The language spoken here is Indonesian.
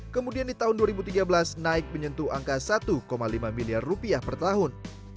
kemudian di tahun dua ribu tiga belas naik menyentuh angka satu lima miliar rupiah per tahun